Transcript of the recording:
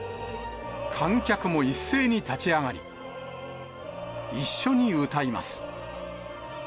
観客も一斉に立ち上がり、一緒に歌います。